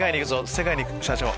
世界に行く社長。